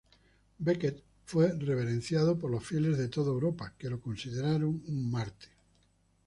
Becket fue reverenciado por los fieles de toda Europa, que lo consideraron un mártir.